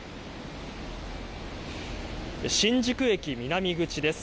新宿駅南口です。